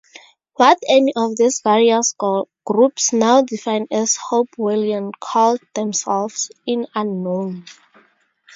What any of the various groups now defined as Hopewellian called themselves is unknown.